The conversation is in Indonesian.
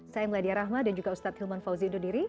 saya meladya rahma dan juga ustadz hilman fauzi indodiri